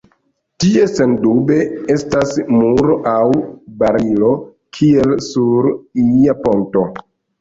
Tie sendube estas muro aŭ barilo, kiel sur ia ponto